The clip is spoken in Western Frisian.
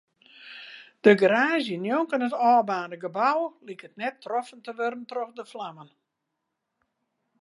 De garaazje njonken it ôfbaarnde gebou liket net troffen te wurden troch de flammen.